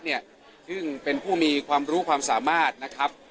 ซึ่งเป็นผู้มีความรู้ความสามารถนะครับ